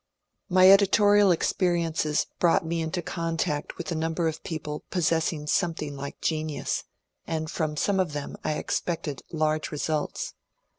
My editorial experiences brought me into contact with a number of people possessing something like genius, and from some of them I expected large results.